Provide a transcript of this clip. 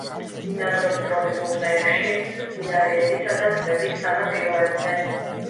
ბინადრობს ტროპიკულ ტყეებში მდინარეებისა და ტბების სანაპიროებზე.